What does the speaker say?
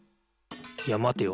いやまてよ。